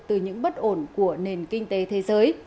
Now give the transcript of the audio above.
từ những bất ổn của nền kinh tế thế giới